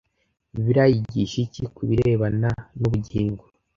Bibiliya yigisha iki ku birebana n’ubugingo